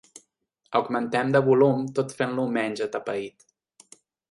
Augmentem de volum tot fent-lo menys atapeït.